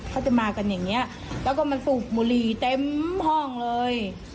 เขาจะมากันอย่างนี้แล้วก็มาสูบบุหรี่เต็มห้องเลย